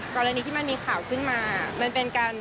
กรณีที่มันมีข่าวขึ้นมา